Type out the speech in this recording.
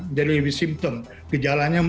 menjadi lebih simptom kejalannya